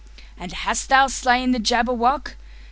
"And hast thou slain the Jabberwock?